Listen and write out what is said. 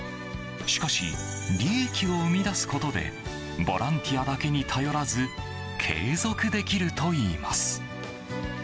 しかし、利益を生み出すことでボランティアだけに頼らず継続できるといいます。